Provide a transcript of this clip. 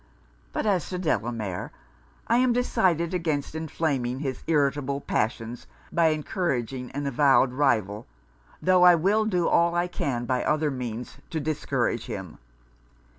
But as to Delamere, I am decided against inflaming his irritable passions, by encouraging an avowed rival, tho' I will do all I can by other means, to discourage him.